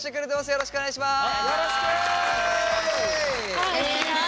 よろしくお願いします。